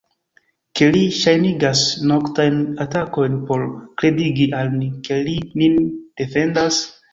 Ke li ŝajnigas noktajn atakojn por kredigi al ni, ke li nin defendas?